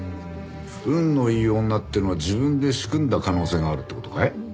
運のいい女っていうのは自分で仕組んだ可能性があるって事かい？